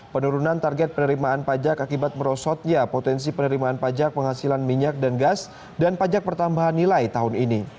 penurunan target penerimaan pajak akibat merosotnya potensi penerimaan pajak penghasilan minyak dan gas dan pajak pertambahan nilai tahun ini